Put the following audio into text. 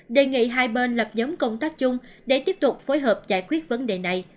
đề nghị hai bên lập nhóm công tác chung để tiếp tục phối hợp giải quyết vấn đề này